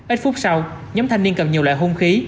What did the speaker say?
ít phút sau nhóm thanh niên cầm nhiều loại hung khí